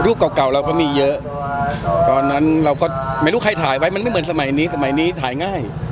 เก่าเก่าเราก็มีเยอะตอนนั้นเราก็ไม่รู้ใครถ่ายไว้มันไม่เหมือนสมัยนี้สมัยนี้ถ่ายง่าย